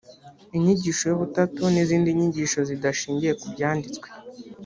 inyigisho y’ubutatu n’izindi nyigisho zidashingiye ku byanditswe